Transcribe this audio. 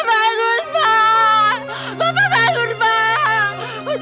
otaknya kemarin belum lunas